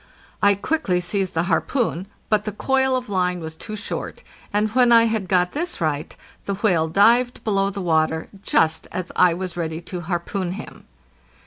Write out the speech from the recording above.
I quickly seized the harpoon, but the coil of line was too short, and when I had got this right the whale dived below the water, just as I was ready to harpoon him.